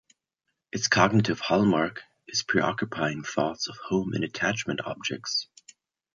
Its cognitive hallmark is preoccupying thoughts of home and attachment objects.